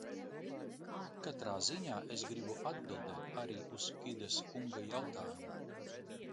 Katrā ziņā es gribu atbildēt arī uz Kides kunga jautājumu.